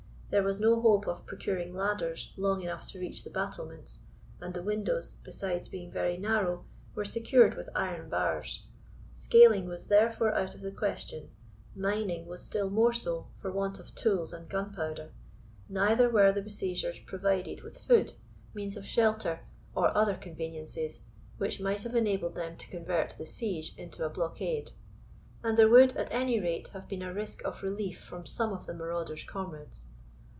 There was no hope of procuring ladders long enough to reach the battlements, and the windows, besides being very narrow, were secured with iron bars. Scaling was therefore out of the question; mining was still more so, for want of tools and gunpowder; neither were the besiegers provided with food, means of shelter, or other conveniences, which might have enabled them to convert the siege into a blockade; and there would, at any rate, have been a risk of relief from some of the marauder's comrades.